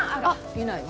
いないわ。